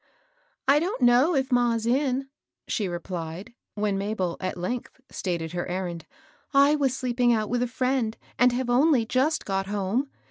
" I don't know if ma's in," she repUed, when Mabel, at lengthy stated her errand. ^^ I was sleep ing out with a friend, and have only just got home.